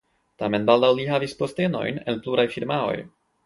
Tamen baldaŭ li havis postenojn en pluraj firmaoj.